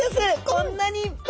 こんなにいっぱい！